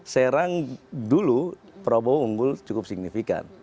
serang dulu prabowo unggul cukup signifikan